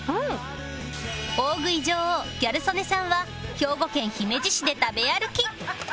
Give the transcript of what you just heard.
大食い女王ギャル曽根さんは兵庫県姫路市で食べ歩き